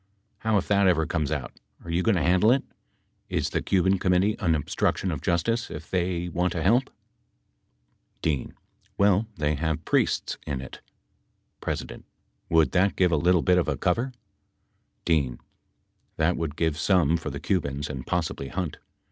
How if that ever comes out, are you going to handle it ? Is the Cuban Com mittee an obstruction of justice, if they want to help ? D. Well they have priests in it. P. Would that give a little bit of a cover ? D. That would give some for the Cubans and possibly Hunt.